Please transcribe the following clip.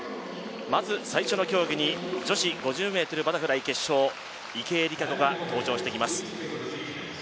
まず最初の競技に女子５０ｍバタフライ決勝、池江璃花子が登場してきます。